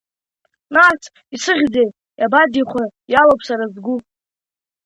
Нас, исыхьзеи, иабадихәа, иалоуп сара сгәы.